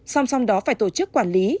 song song đó phải tổ chức quản lý